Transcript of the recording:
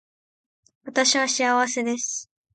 私は幸せです